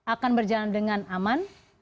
akan berjalan dengan aman